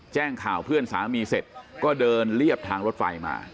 แจ้งข่าวเพื่อนสามีเสร็จก็เดินเรียบทางรถไฟมา